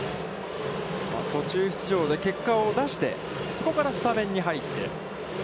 途中出場で結果を出して、そこからスタメンに入って。